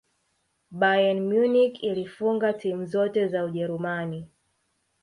bayern munich ilifunga timu zote za ujeruman